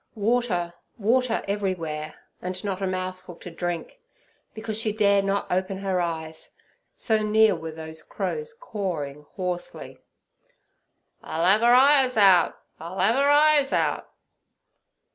Water, water, everywhere water, and not a mouthful to drink, because she dare not open her eyes, so near were those crows' cawing hoarsely, 'I'll 'ave 'er eyes out! I'll 'ave 'er eyes out!'